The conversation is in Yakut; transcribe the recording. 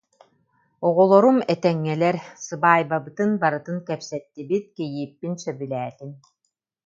Оҕолорум этэҥҥэлэр, сыбаайбабытын барытын кэпсэттибит, кийииппин сөбүлээтим